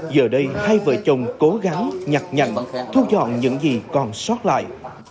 giờ đây hai vợ chồng cố gắng nhặt nhạnh thu dọn những gì còn sót lại